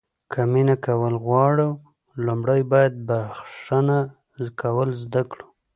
که مینه کول غواړو لومړی باید بښنه کول زده کړو.